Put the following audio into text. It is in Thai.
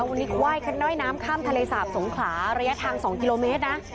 วันนี้ไหว้น้ำข้ามทะเลสาบสงขลาระยะทาง๒กิโลเมตรนะ